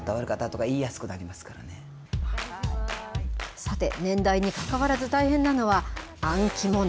さて、年代にかかわらず、大変なのは暗記もの。